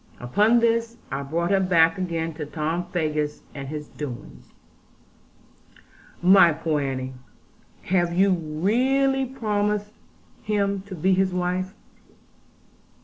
Upon this I brought her back again to Tom Faggus and his doings. 'My poor Annie, have you really promised him to be his wife?'